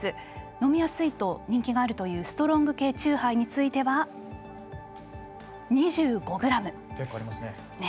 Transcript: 飲みやすいと人気があるというストロング系酎ハイについては結構ありますね。